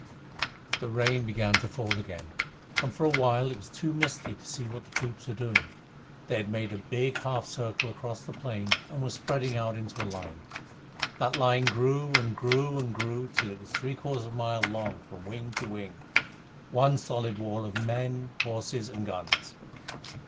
The rain began to fall again, and for a while it was too misty to see what the troops were doing. They had made a big half circle across the plain, and were spreading out into a line. That line grew and grew and grew till it was three quarters of a mile long from wing to wing one solid wall of men, horses, and guns.